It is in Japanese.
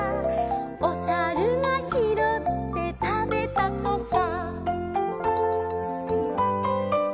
「おさるがひろってたべたとさ」